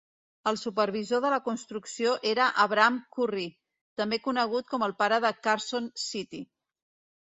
El supervisor de la construcció era Abraham Curry, també conegut com el pare de Carson City.